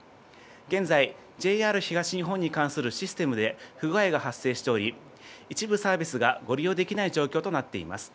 現在、ＪＲ東日本に関するシステムで不具合が発生しており、一部サービスがご利用できない状況となっています。